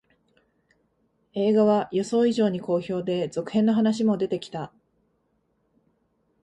映画は予想以上に好評で、続編の話も出てきた